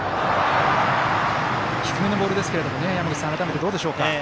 低めのボールですけれども改めてどうでしょうか。